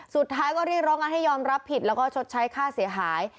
สุดท้ายก็เรียกร้องกันให้ยอมรับผิดแล้วก็ชดใช้ค่าเสียหาย